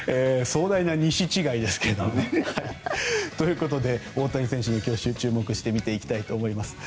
壮大な西違いですが。ということで大谷選手の去就に注目していきたいと思います。